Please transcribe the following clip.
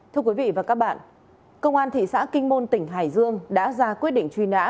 thưa quý vị và các bạn công an thị xã kinh môn tỉnh hải dương đã ra quyết định truy nã